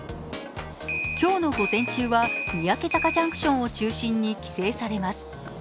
今日の午前中は三宅坂ジャンクションを中心に規制されます。